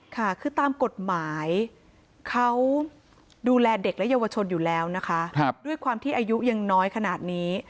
ค่ะคือตามกฎหมายเขาดูแลเด็กและเยาวชนอยู่แล้วนะคะด้วยความที่อายุยังน้อยขนาดนี้